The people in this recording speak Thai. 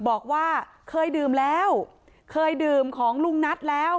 บอกว่าเคยดื่มแล้วเคยดื่มของลุงนัทแล้ว